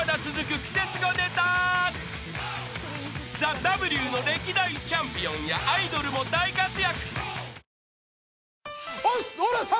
［ＴＨＥＷの歴代チャンピオンやアイドルも大活躍］